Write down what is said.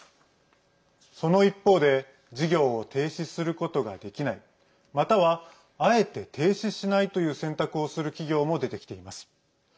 その一方で事業を停止することができないまたは、あえて停止しないという選択をする企業も出てきています。